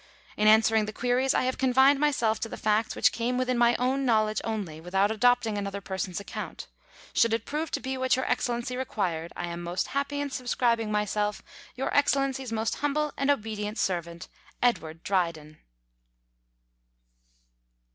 In answering the queries I have confined myself to facts which came within my own knowledge only, without adopting another person's account. Should it prove to be what Your Excellency requires, I am most happy in subscribing myself Your Excellency's Most humble and obedient servant, EDWARD DRYDEN.